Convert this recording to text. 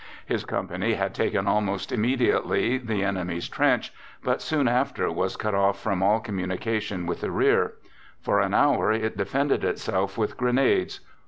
His company had taken almost immediately the enemy's trench, but soon after was cut off from all communication with the rear. For an hour it defended itself with grenades.